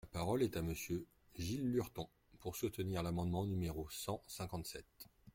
La parole est à Monsieur Gilles Lurton, pour soutenir l’amendement numéro cent cinquante-sept.